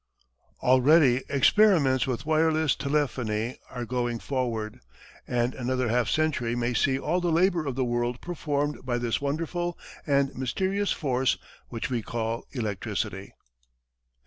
Already experiments with wireless telephony are going forward, and another half century may see all the labor of the world performed by this wonderful and mysterious force which we call electricity.